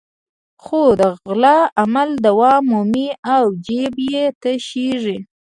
خو د غلا عمل دوام مومي او جېب یې تشېږي.